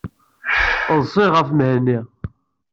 Ḍṣiɣ ɣef Mhenni.